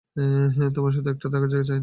তোমার শুধু একটা থাকার জায়গা চাই, না?